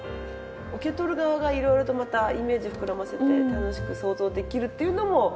受け取る側が色々とまたイメージ膨らませて楽しく想像できるっていうのもいいところ。